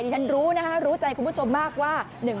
ฉันรู้นะคะรู้ใจคุณผู้ชมมากว่า